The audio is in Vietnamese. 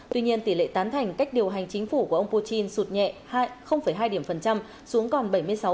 tuy nhiên tỷ lệ tán thành cách điều hành chính phủ của ông putin sụt nhẹ hai xuống còn bảy mươi sáu bảy